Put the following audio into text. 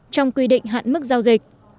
trong quy định hạn mức giao dịch